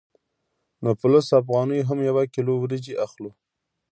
نو په لسو افغانیو هم یوه کیلو وریجې اخلو